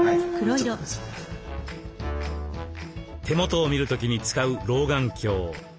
手元を見る時に使う老眼鏡。